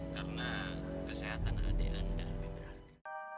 karena kesehatan adik anda lebih berharga